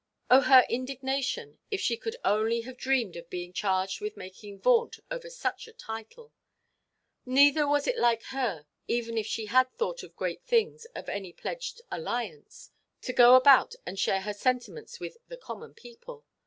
Oh her indignation, if she only could have dreamed of being charged with making vaunt over such a title! Neither was it like her, even if she had thought great things of any pledged alliance, to go about and share her sentiments with the "common people."